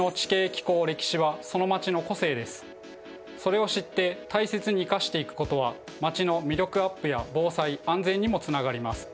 そのそれを知って大切に生かしていくことは街の魅力アップや防災・安全にもつながります。